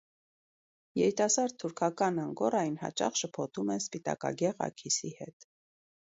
Երիտասարդ թուրքական անգորային հաճախ շփոթում են սպիտակագեղ աքիսի հետ։